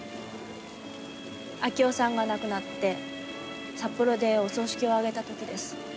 明夫さんが亡くなって札幌でお葬式を挙げた時です。